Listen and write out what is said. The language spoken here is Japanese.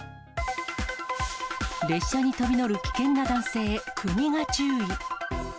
列車に飛び乗る危険な男性、国が注意。